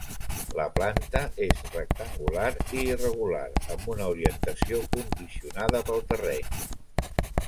La planta és rectangular i irregular amb una orientació condicionada pel terreny.